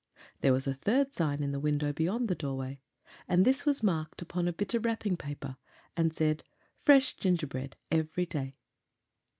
There was a third sign in the window beyond the doorway, and this was marked upon a bit of wrapping paper, and said: "Fresh Gingerbread Every Day."